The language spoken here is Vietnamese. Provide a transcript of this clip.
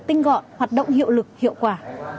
tinh gọn hoạt động hiệu lực hiệu quả